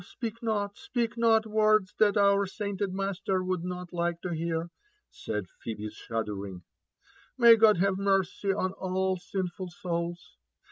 speak not, speak not words that our sainted master would not like to bear," said Phebe, shuddering. '* May God have mercy on all sinful souls!